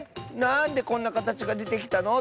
なんでこんなかたちがでてきたの？